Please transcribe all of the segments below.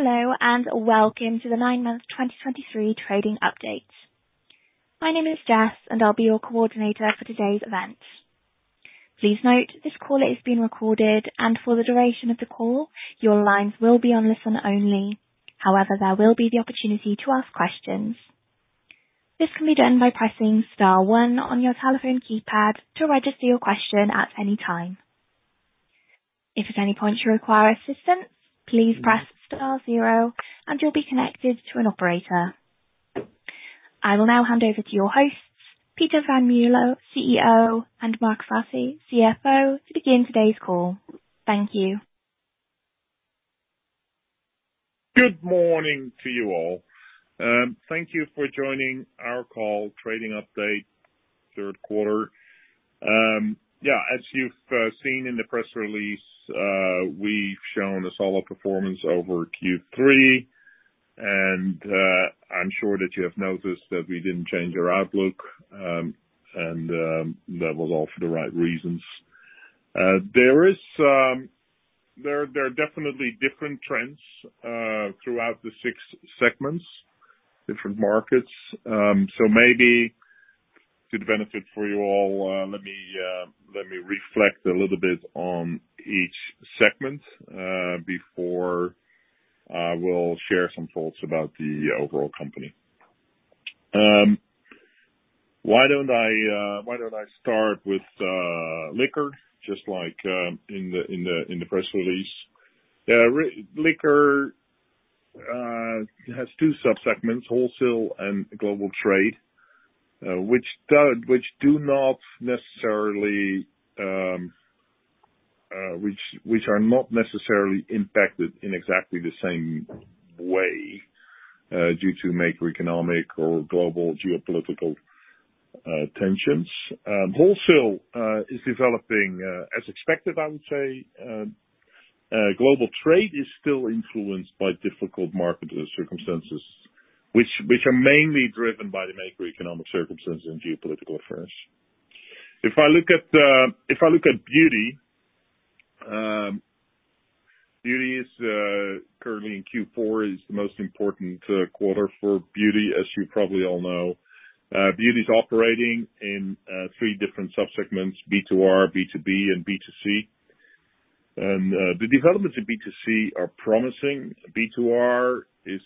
Hello, and welcome to the nine-month 2023 trading update. My name is Jess, and I'll be your coordinator for today's event. Please note, this call is being recorded, and for the duration of the call, your lines will be on listen only. However, there will be the opportunity to ask questions. This can be done by pressing star one on your telephone keypad to register your question at any time. If at any point you require assistance, please press star zero, and you'll be connected to an operator. I will now hand over to your hosts, Peter van Mierlo, CEO, and Mark Faasse, CFO, to begin today's call. Thank you. Good morning to you all. Thank you for joining our call, trading update, third quarter. Yeah, as you've seen in the press release, we've shown a solid performance over Q3, and I'm sure that you have noticed that we didn't change our outlook, and that was all for the right reasons. There are definitely different trends throughout the six segments, different markets. So maybe to the benefit for you all, let me reflect a little bit on each segment before I will share some thoughts about the overall company. Why don't I start with liquor, just like in the press release? Regarding liquor has two sub-segments, wholesale and global trade, which are not necessarily impacted in exactly the same way due to macroeconomic or global geopolitical tensions. Wholesale is developing as expected, I would say. Global trade is still influenced by difficult market circumstances, which are mainly driven by the macroeconomic circumstances and geopolitical affairs. If I look at beauty, beauty is currently in Q4, is the most important quarter for beauty, as you probably all know. Beauty is operating in three different sub-segments: B2R, B2B, and B2C. The developments in B2C are promising. B2R is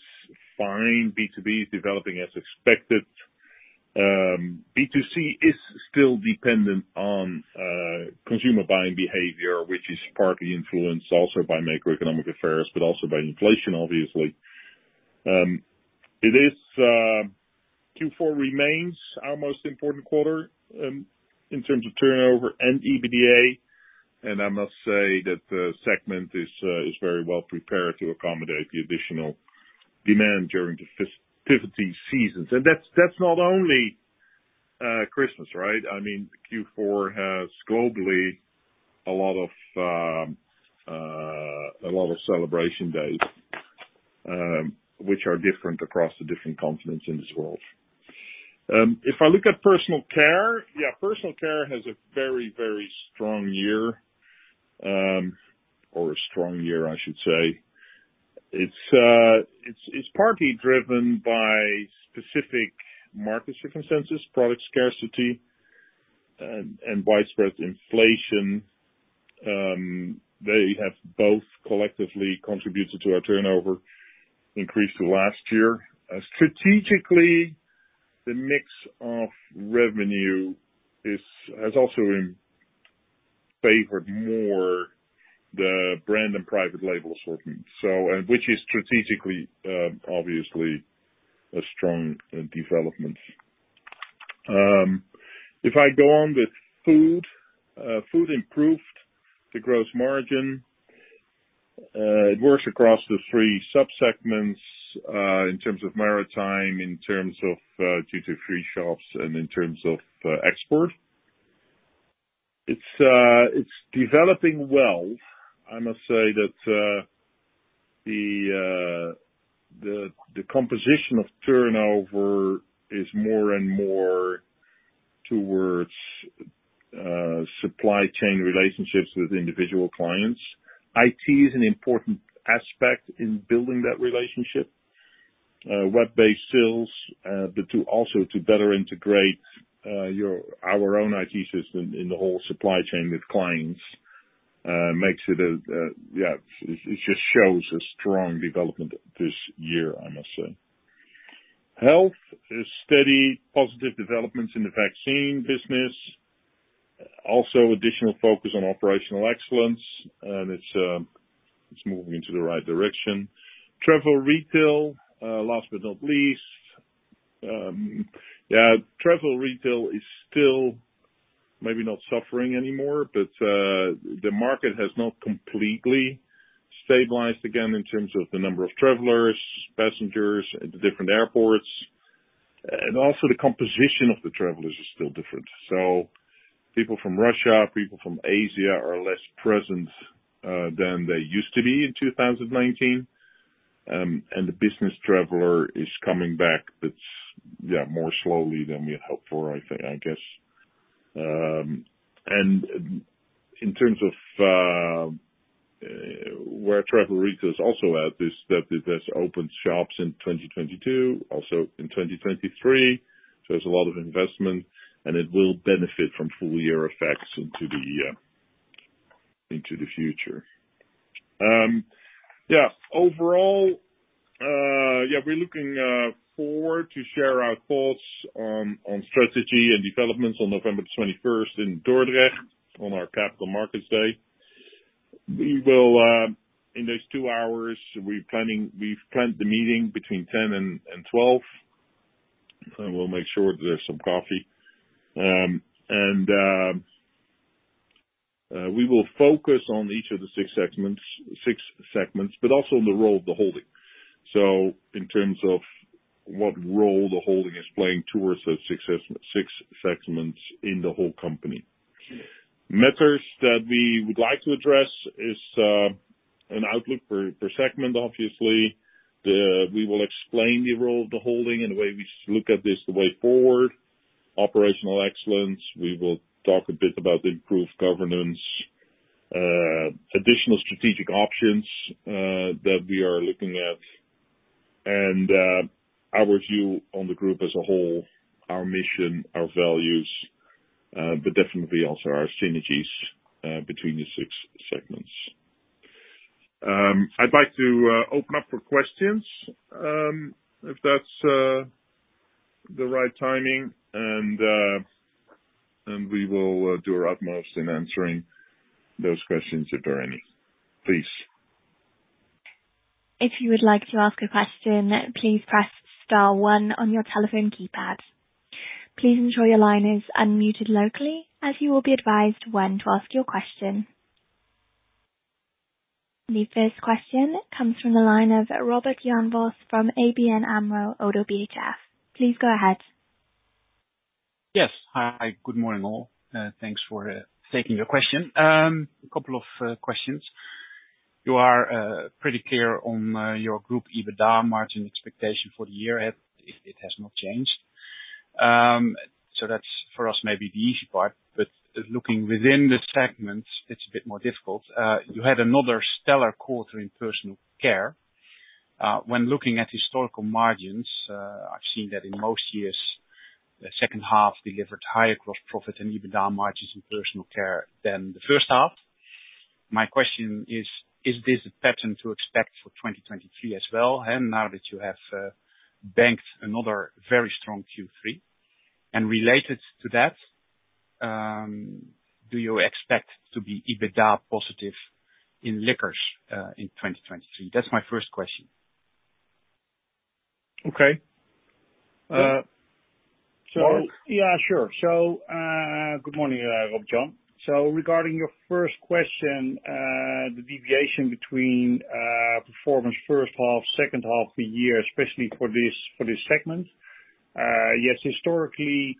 fine. B2B is developing as expected. B2C is still dependent on, consumer buying behavior, which is partly influenced also by macroeconomic affairs, but also by inflation, obviously. It is... Q4 remains our most important quarter, in terms of turnover and EBITDA, and I must say that the segment is, is very well prepared to accommodate the additional demand during the festivity seasons. And that's, that's not only, Christmas, right? I mean, Q4 has globally a lot of, a lot of celebration days, which are different across the different continents in this world. If I look at personal care, yeah, personal care has a very, very strong year, or a strong year, I should say. It's, it's, it's partly driven by specific market circumstances, product scarcity, and widespread inflation. They have both collectively contributed to our turnover increase to last year. Strategically, the mix of revenue is, has also favored more the brand and private label assortment, so, and which is strategically, obviously, a strong development. If I go on with food, food improved the gross margin. It works across the three sub-segments, in terms of maritime, in terms of, duty free shops, and in terms of, export. It's developing well. I must say that, the composition of turnover is more and more towards supply chain relationships with individual clients. IT is an important aspect in building that relationship. Web-based sales, but also to better integrate our own IT system in the whole supply chain with clients makes it, yeah, it just shows a strong development this year, I must say. Health is steady, positive developments in the vaccine business. Also, additional focus on operational excellence, and it's moving into the right direction. Travel retail, last but not least, yeah, travel retail is still maybe not suffering anymore, but the market has not completely stabilized again in terms of the number of travelers, passengers at the different airports, and also the composition of the travelers is still different. So people from Russia, people from Asia, are less present than they used to be in 2019. And the business traveler is coming back, but yeah, more slowly than we had hoped for, I think, I guess. And in terms of where Travel Retail is also at, is that it has opened shops in 2022, also in 2023. So there's a lot of investment, and it will benefit from full year effects into the into the future. Yeah, overall, yeah, we're looking forward to share our thoughts on on strategy and developments on November the 21st in Dordrecht, on our Capital Markets Day. We will in those two hours, we've planned the meeting between 10 and 12, and we'll make sure there's some coffee. And we will focus on each of the six segments, six segments, but also on the role of the holding. So in terms of what role the holding is playing towards the six six segments in the whole company. Methods that we would like to address is an outlook per segment, obviously. We will explain the role of the holding and the way we look at this, the way forward, operational excellence. We will talk a bit about the improved governance, additional strategic options that we are looking at, and our view on the group as a whole, our mission, our values, but definitely also our synergies between the six segments. I'd like to open up for questions, if that's the right timing, and we will do our utmost in answering those questions, if there are any. Please. If you would like to ask a question, please press star one on your telephone keypad. Please ensure your line is unmuted locally, as you will be advised when to ask your question. The first question comes from the line of Robert Jan Vos from ABN AMRO ODDO BHF. Please go ahead. Yes. Hi, good morning, all. Thanks for taking the question. A couple of questions. You are pretty clear on your group EBITDA margin expectation for the year, it has not changed. So that's, for us, maybe the easy part, but looking within the segments, it's a bit more difficult. You had another stellar quarter in personal care. When looking at historical margins, I've seen that in most years, the second half delivered higher gross profit and EBITDA margins in personal care than the first half. My question is: Is this a pattern to expect for 2023 as well, and now that you have banked another very strong Q3? And related to that, do you expect to be EBITDA positive in liquors in 2023? That's my first question. Okay. Uh- Mark? Yeah, sure. So, good morning, Rob Jan. So regarding your first question, the deviation between performance first half, second half of the year, especially for this, for this segment, yes, historically,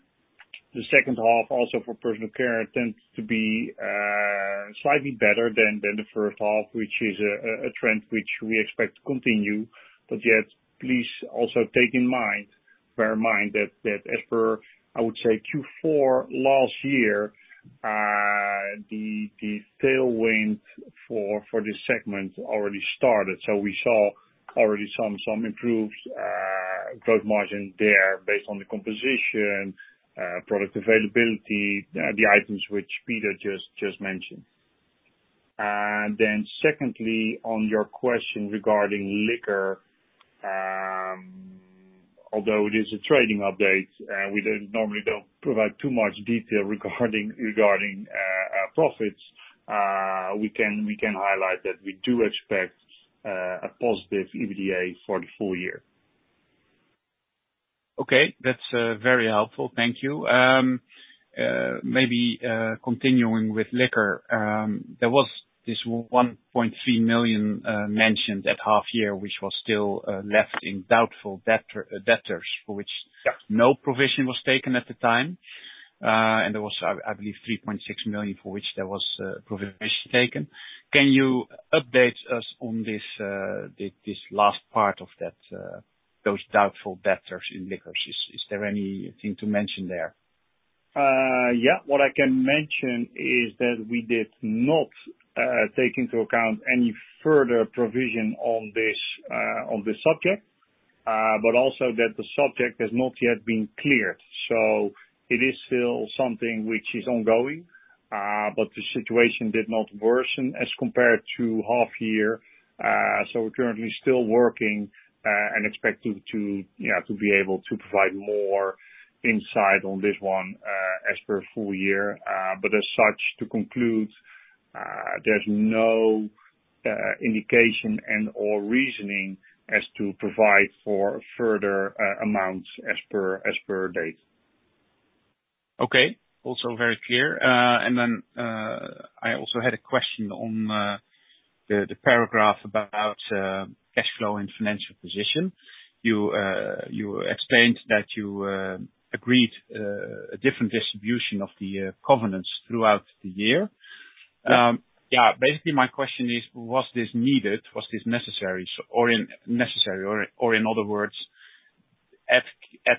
the second half, also for personal care, tends to be slightly better than the first half, which is a trend which we expect to continue. But yet, please also take in mind, bear in mind, that as per, I would say, Q4 last year, the tailwind for this segment already started. So we saw already some improved gross margin there based on the composition, product availability, the items which Peter just mentioned. And then, secondly, on your question regarding liquor, although it is a trading update, we normally don't provide too much detail regarding profits. We can highlight that we do expect a positive EBITDA for the full year. Okay. That's very helpful. Thank you. Maybe continuing with liquor, there was this 1.3 million mentioned at half year, which was still left in doubtful debtor, debtors, for which- Yeah... no provision was taken at the time. And there was, I believe, 3.6 million, for which there was provision taken. Can you update us on this, this last part of that, those doubtful debtors in liquors? Is there anything to mention there? Yeah. What I can mention is that we did not take into account any further provision on this on this subject, but also that the subject has not yet been cleared. So it is still something which is ongoing, but the situation did not worsen as compared to half year. So we're currently still working and expecting to, yeah, to be able to provide more insight on this one as per full year. But as such, to conclude, there's no indication and/or reasoning as to provide for further amounts as per, as per date. Okay. Also very clear. And then, I also had a question on the paragraph about cash flow and financial position. You explained that you agreed a different distribution of the covenants throughout the year. Yes. Yeah, basically my question is: Was this needed? Was this necessary, or unnecessary, or in other words... at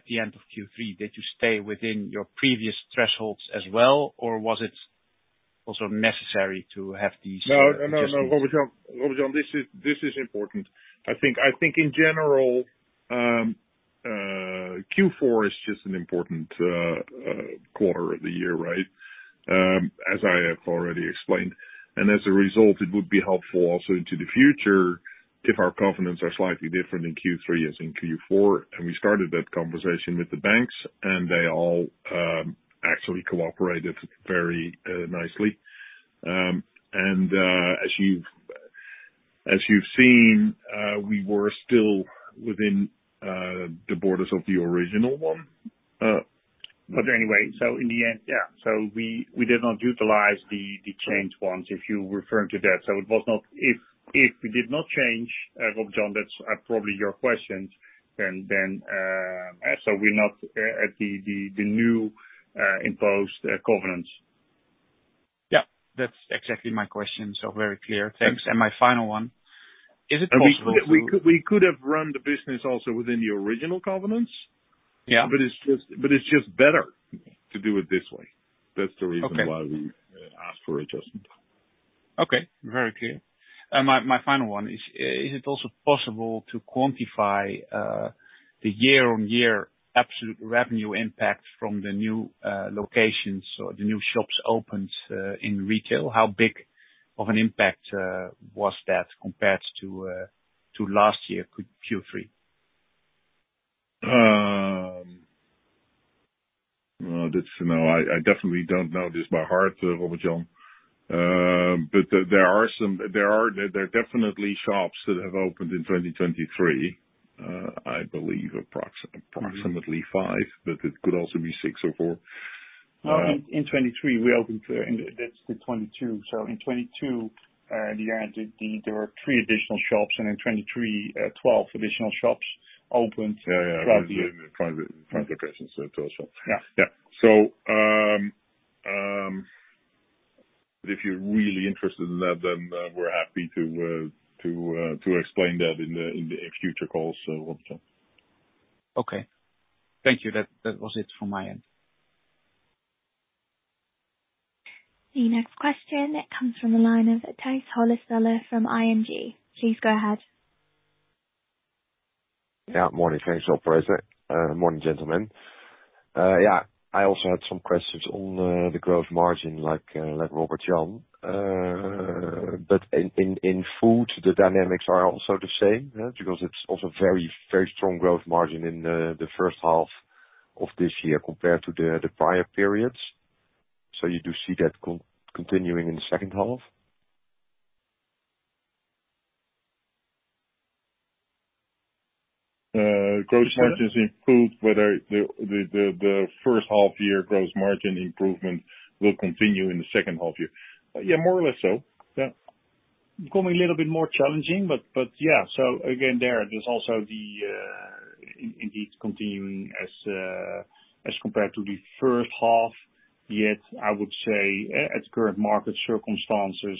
the end of Q3, did you stay within your previous thresholds as well, or was it also necessary to have these- No, no, no, Robert Jan, Robert Jan, this is, this is important. I think, I think in general, Q4 is just an important quarter of the year, right? As I have already explained, and as a result, it would be helpful also into the future if our covenants are slightly different in Q3 as in Q4, and we started that conversation with the banks, and they all actually cooperated very nicely. And, as you've, as you've seen, we were still within the borders of the original one. But anyway, so in the end, yeah, so we did not utilize the changed ones, if you're referring to that. So it was not... If we did not change, Robert Jan, that's probably your question, then so we're not at the new imposed covenants. Yeah, that's exactly my question. So very clear. Thanks. And my final one: Is it possible to- We could have run the business also within the original covenants. Yeah. But it's just, but it's just better to do it this way. Okay. That's the reason why we asked for adjustment. Okay. Very clear. My final one: Is it also possible to quantify the year-on-year absolute revenue impact from the new locations or the new shops opened in retail? How big of an impact was that compared to last year, Q3? Well, that's... No, I definitely don't know this by heart, Robert Jan. But there are definitely shops that have opened in 2023, I believe approximately five, but it could also be six or four. In 2023 we opened, that's the 2022. So in 2022, there were three additional shops, and in 2023, 12 additional shops opened. Yeah, yeah. Throughout the year. Private, private locations, so to ourselves. Yeah. Yeah. So, if you're really interested in that, then we're happy to explain that in the future calls, Robert Jan. Okay. Thank you. That, that was it from my end. The next question comes from the line of Tijs Hollestelle from ING. Please go ahead. Yeah, morning. Thanks, operator. Morning, gentlemen. Yeah, I also had some questions on the gross margin, like Robert Jan. But in food, the dynamics are also the same, yeah? Because it's also very, very strong gross margin in the first half of this year compared to the prior periods. So you do see that continuing in the second half? Gross margins improved, whether the first half year gross margin improvement will continue in the second half year? Yeah, more or less so. Yeah. Become a little bit more challenging, but yeah, so again, there's also the... Indeed, continuing as compared to the first half, yet, I would say, at current market circumstances,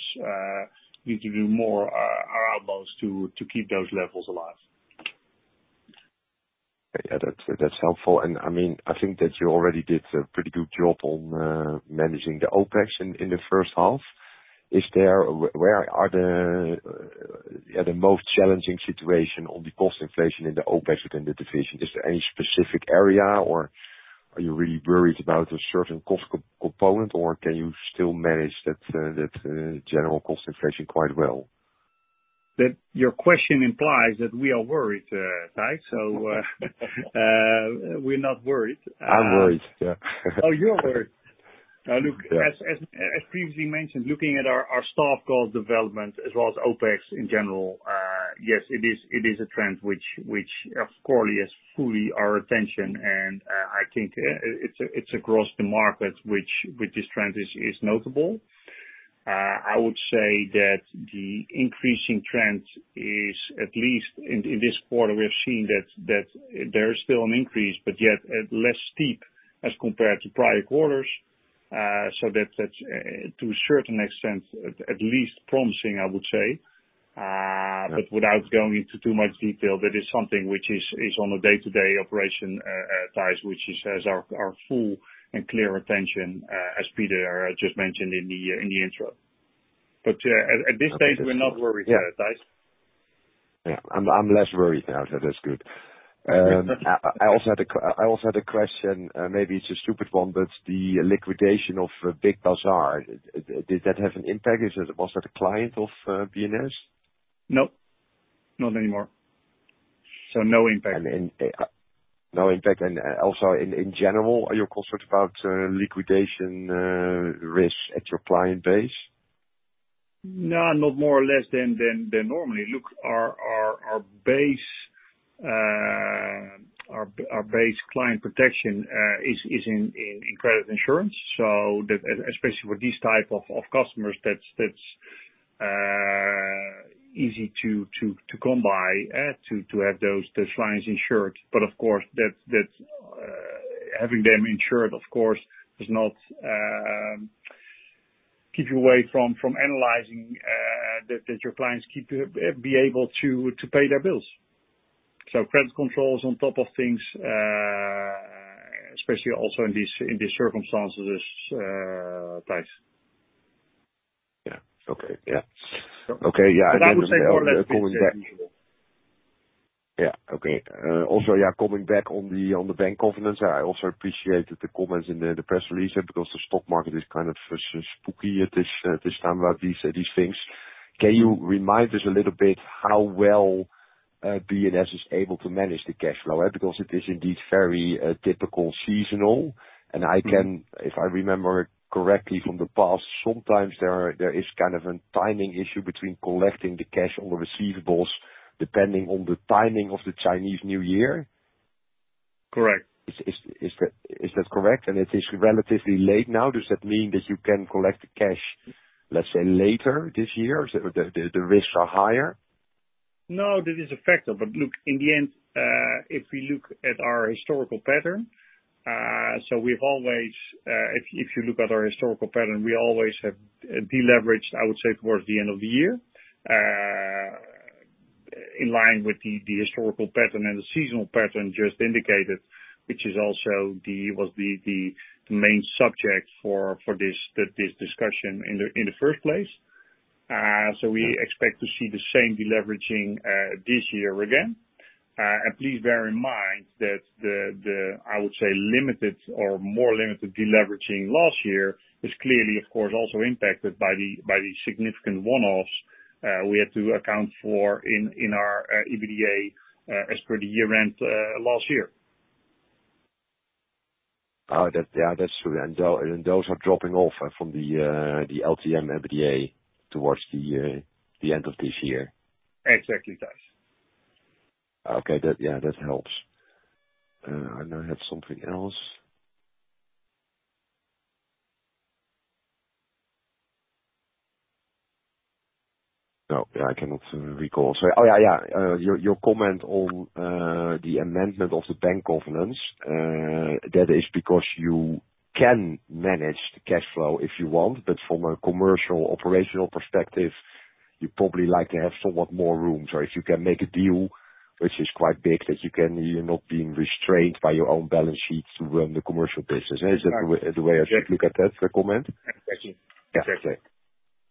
we need to do more on our utmost to keep those levels alive. Yeah, that's, that's helpful. And I mean, I think that you already did a pretty good job on managing the OpEx in the first half. Is there... Where are the most challenging situation on the cost inflation in the OpEx within the division? Is there any specific area, or are you really worried about a certain cost component, or can you still manage that general cost inflation quite well? That your question implies that we are worried, Tijs. So, we're not worried. I'm worried, yeah. Oh, you're worried? Now, look, as previously mentioned, looking at our staff cost development, as well as OpEx in general, yes, it is a trend which of course has fully our attention, and I think it's across the market, which this trend is notable. I would say that the increasing trend is, at least in this quarter, we have seen that there is still an increase, but yet less steep as compared to prior quarters. Yeah. But without going into too much detail, that is something which is on a day-to-day operation, Tijs, which has our full and clear attention, as Peter just mentioned in the intro. But at this stage, we're not worried, Tijs. Yeah. Yeah, I'm, I'm less worried now, so that's good. I also had a question, maybe it's a stupid one, but the liquidation of Big Bazar, did that have an impact? Is it, was that a client of B&S? Nope. Not anymore. So no impact. And no impact. And also, in general, are you concerned about liquidation risks at your client base? No, not more or less than normally. Look, our base client protection is in credit insurance, so that, especially with these type of customers, that's easy to come by, to have those clients insured. But of course, that having them insured, of course, does not keep you away from analyzing that your clients keep be able to pay their bills. So credit control is on top of things, especially also in these circumstances, Tijs. Yeah. Okay. Yeah. Okay, yeah- I would say more or less- Yeah. Okay. Also, yeah, coming back on the bank confidence, I also appreciated the comments in the press release, because the stock market is kind of spooky at this time about these things. Can you remind us a little bit how well B&S is able to manage the cash flow? Because it is indeed very typical seasonal, and I can- Mm. If I remember correctly from the past, sometimes there is kind of a timing issue between collecting the cash on the receivables, depending on the timing of the Chinese New Year. Correct. Is that correct? It is relatively late now. Does that mean that you can collect the cash, let's say, later this year, so the risks are higher? No, this is a factor, but look, in the end, if we look at our historical pattern. If you look at our historical pattern, we always have deleveraged, I would say, towards the end of the year, in line with the historical pattern and the seasonal pattern just indicated, which is also the main subject for this discussion in the first place. So we expect to see the same deleveraging this year again. And please bear in mind that the I would say limited or more limited deleveraging last year is clearly, of course, also impacted by the significant one-offs we had to account for in our EBITDA as per the year-end last year. Oh, that, yeah, that's true, and those are dropping off from the LTM EBITDA towards the end of this year. Exactly, Tijs. Okay. That, yeah, that helps. And I had something else. No, yeah, I cannot recall. So, your comment on the amendment of the bank governance, that is because you can manage the cash flow if you want, but from a commercial operational perspective, you'd probably like to have somewhat more room. So if you can make a deal which is quite big, that you can, you're not being restrained by your own balance sheets to run the commercial business. Right. Is that the way I should look at that, the comment? Exactly. Yeah. Exactly.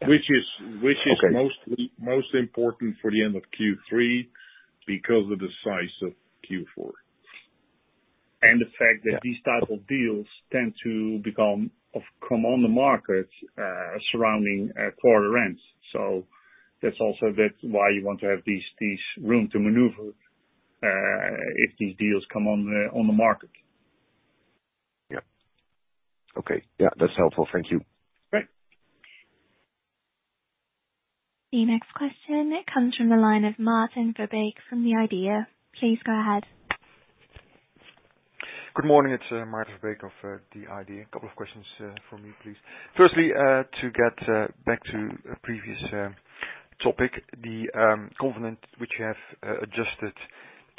Which is- Okay. Which is most important for the end of Q3, because of the size of Q4. And the fact that- Yeah... these type of deals tend to become of, come on the market surrounding quarter ends. So that's also, that's why you want to have these, these room to maneuver if these deals come on the, on the market. Yeah. Okay. Yeah, that's helpful. Thank you. Great! The next question comes from the line of Maarten Verbeek from The IDEA. Please go ahead. Good morning, it's Maarten Verbeek of the IDEA. A couple of questions from me, please. Firstly, to get back to a previous topic, the covenant which you have adjusted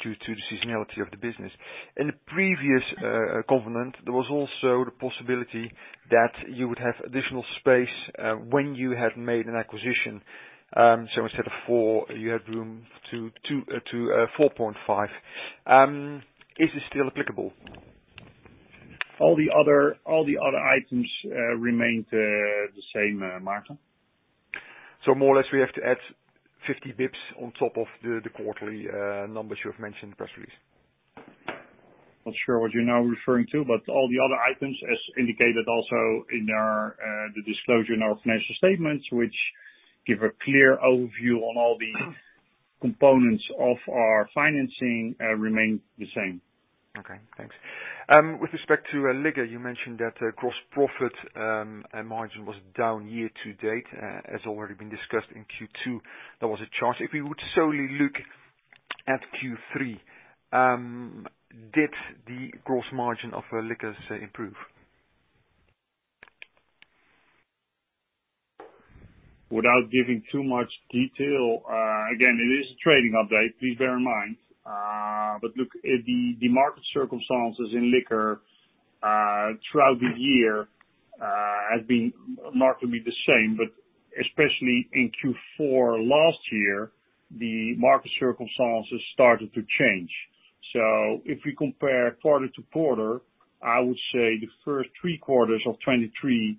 due to the seasonality of the business. In the previous covenant, there was also the possibility that you would have additional space when you had made an acquisition. So instead of 4, you had room to 2 to 4.5. Is this still applicable? All the other items remained the same, Maarten. So more or less, we have to add 50 basis points on top of the quarterly numbers you have mentioned in the press release? Not sure what you're now referring to, but all the other items, as indicated also in our, the disclosure in our financial statements, which give a clear overview on all the components of our financing, remain the same. Okay, thanks. With respect to liquor, you mentioned that gross profit and margin was down year to date, as already been discussed in Q2, there was a charge. If we would solely look at Q3, did the gross margin of liquors improve? Without giving too much detail, again, it is a trading update, please bear in mind. But look at the market circumstances in liquor throughout the year has been markedly the same, but especially in Q4 last year, the market circumstances started to change. So if we compare quarter to quarter, I would say the first three quarters of 2023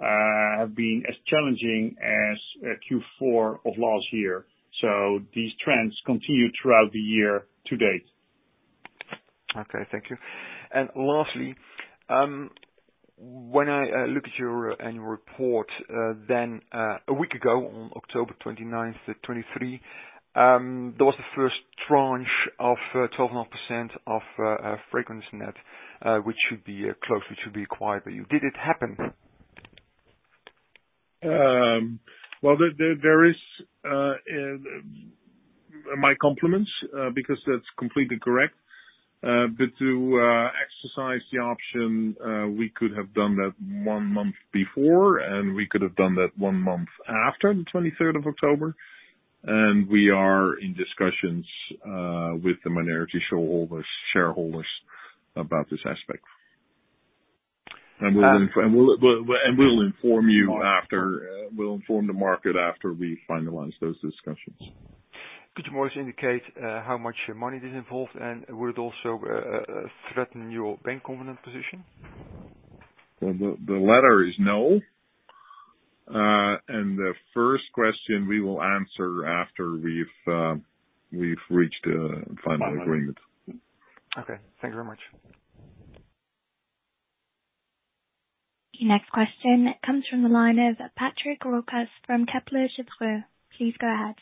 have been as challenging as Q4 of last year. So these trends continue throughout the year to date. Okay, thank you. And lastly, when I look at your annual report, then a week ago, on October 29, 2023, there was the first tranche of 12.5% of FragranceNet, which should be closed, which should be acquired by you. Did it happen? Well, my compliments, because that's completely correct. But to exercise the option, we could have done that one month before, and we could have done that one month after the twenty-third of October. And we are in discussions with the minority shareholders.... about this aspect. And we'll inform you after, we'll inform the market after we finalize those discussions. Could you more indicate how much money is involved, and would it also threaten your bank covenant position? Well, the latter is no. And the first question we will answer after we've reached a final agreement. Okay. Thank you very much. The next question comes from the line of Patrick Roquas from Kepler Cheuvreux. Please go ahead.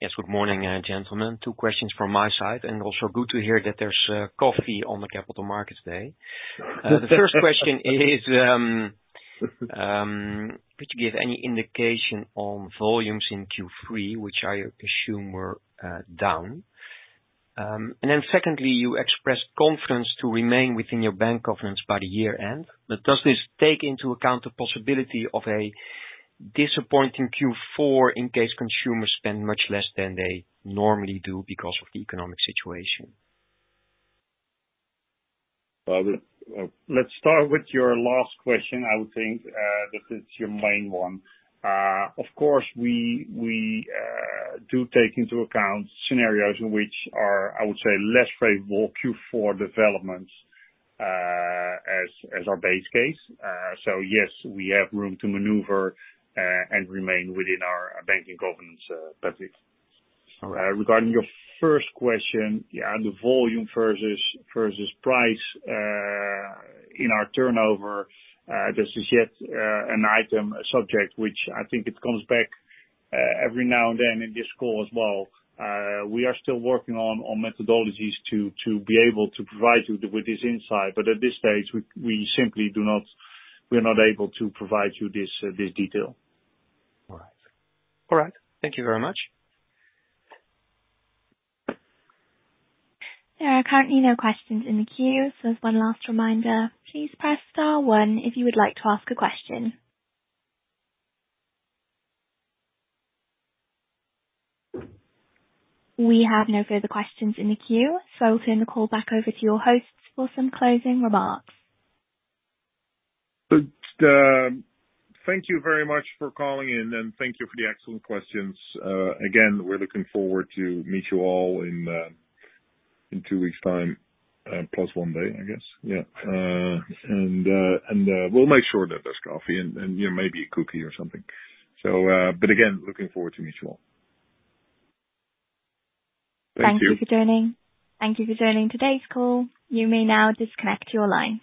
Yes, good morning, gentlemen. Two questions from my side, and also good to hear that there's coffee on the Capital Markets Day today. The first question is, could you give any indication on volumes in Q3, which I assume were down? And then secondly, you expressed confidence to remain within your bank covenants by the year end, but does this take into account the possibility of a disappointing Q4, in case consumers spend much less than they normally do because of the economic situation? Let's start with your last question. I would think that it's your main one. Of course, we do take into account scenarios which are, I would say, less favorable Q4 developments as our base case. So yes, we have room to maneuver and remain within our banking governance budget. Regarding your first question, yeah, the volume versus price in our turnover, this is yet an item, a subject which I think it comes back every now and then in this call as well. We are still working on methodologies to be able to provide you with this insight, but at this stage, we simply do not—we are not able to provide you this this detail. All right. All right, thank you very much. There are currently no questions in the queue, so one last reminder, please press star one if you would like to ask a question. We have no further questions in the queue, so I'll turn the call back over to your hosts for some closing remarks. Good, thank you very much for calling in, and thank you for the excellent questions. Again, we're looking forward to meet you all in two weeks' time, plus one day, I guess. Yeah. And we'll make sure that there's coffee and, you know, maybe a cookie or something. So, but again, looking forward to meet you all. Thank you. Thank you for joining. Thank you for joining today's call. You may now disconnect your lines.